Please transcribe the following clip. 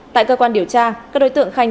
tại cơ quan điều tra các đối tượng khai